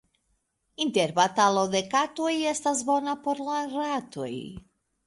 Interbatalo de katoj estas bona por la ratoj.